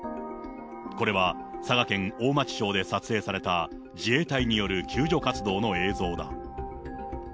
これは、佐賀県大町町で撮影された自衛隊による救助活動の映像だ。